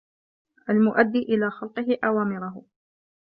الْمُؤَدِّي إلَى خَلْقِهِ أَوَامِرَهُ